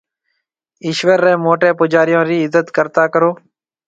ايشوَر رَي موٽَي پُوجاريون رِي عزت ڪرتا ڪرو۔